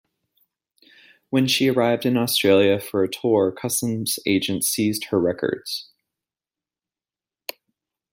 When she arrived in Australia for a tour customs agents seized her records.